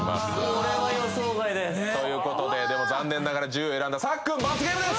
これは予想外ですということででも残念ながら１０位を選んださっくん罰ゲームです